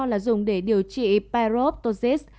là dùng để điều trị paroptosis